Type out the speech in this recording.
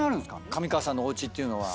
上川さんのおうちっていうのは。